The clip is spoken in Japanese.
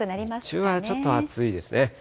日中はちょっと暑いですね。